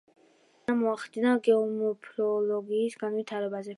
დიდი გავლენა მოახდინა გეომორფოლოგიის განვითარებაზე.